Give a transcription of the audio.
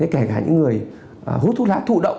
kể cả những người hút thuốc lá thụ động